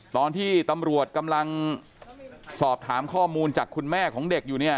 ตอนที่ตำรวจกำลังสอบถามข้อมูลจากคุณแม่ของเด็กอยู่เนี่ย